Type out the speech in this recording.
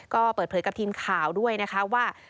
ก็เปิดเผยกับทีมข่าวด้วยนะคะว่า